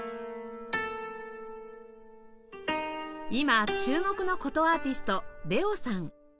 今注目の箏アーティスト ＬＥＯ さん